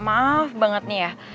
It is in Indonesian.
maaf banget nih ya